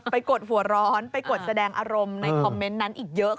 กดหัวร้อนไปกดแสดงอารมณ์ในคอมเมนต์นั้นอีกเยอะ